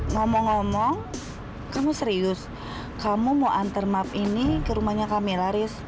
ngomong ngomong kamu serius kamu mau antar mab ini ke rumahnya kamila haris